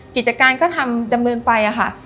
กิจการก็ทำดำเนินไปค่ะ